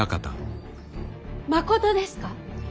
まことですか。